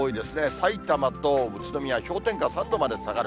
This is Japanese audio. さいたまと宇都宮、氷点下３度まで下がる。